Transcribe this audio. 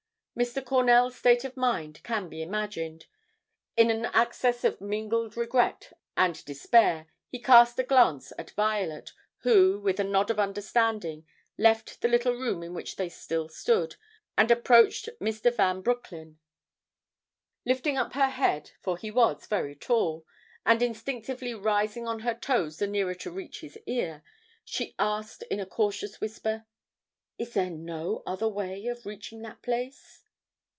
Mr. Cornell's state of mind can be imagined. In an access of mingled regret and despair, he cast a glance at Violet, who, with a nod of understanding, left the little room in which they still stood, and approached Mr. Van Broecklyn. Lifting up her head, for he was very tall, and instinctively rising on her toes the nearer to reach his ear, she asked in a cautious whisper: "Is there no other way of reaching that place?"